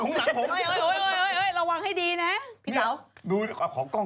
ดูถึงไปในหุ้งหังผม